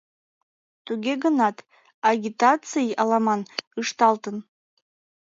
Туге гынат агитаций аламан ышталтын.